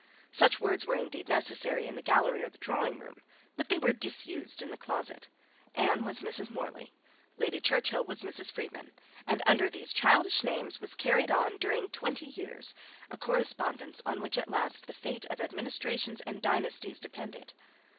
Such words were indeed necessary in the gallery or the drawingroom; but they were disused in the closet. Anne was Mrs. Morley: Lady Churchill was Mrs. Freeman; and under these childish names was carried on during twenty years a correspondence on which at last the fate of administrations and dynasties depended.